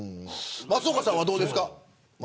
松岡さんは、どうですか。